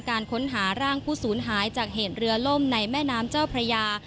การค้นหาร่างผู้สูญหายจากเหตุเรือล่มในแม่น้ำเจ้าพระยา